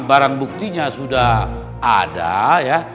barang buktinya sudah ada ya